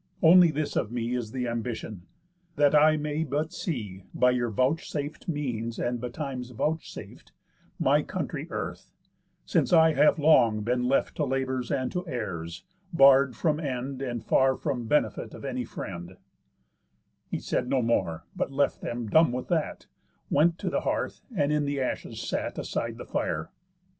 Only this of me Is the ambition; that I may but see (By your vouchsaf'd means, and betimes vouchsaf'd) My country earth; since I have long been left To labours, and to errors, barr'd from end, And far from benefit of any friend," He said no more, but left them dumb with that, Went to the hearth, and in the ashes sat, Aside the fire.